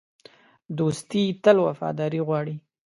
دوستي تل وفاداري غواړي.